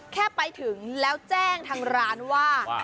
แค่ไปถึงแล้วแจ้งทางร้านว่า